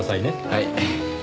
はい。